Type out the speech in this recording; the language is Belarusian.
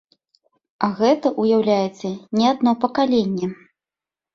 А гэта, уяўляеце, не адно пакаленне.